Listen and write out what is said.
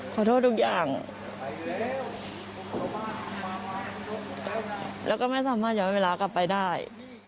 ขอโทษทุกอย่างแล้วก็ไม่สามารถย้อนเวลากลับไปได้